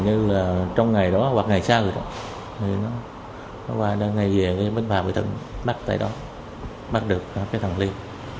như là trong ngày đó hoặc ngày sau đó thì nó qua đang này thì bác tài lo bắt được cái thằng liên